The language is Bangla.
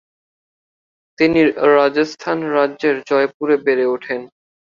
তিনি রাজস্থান রাজ্যের জয়পুরে বেড়ে ওঠেন।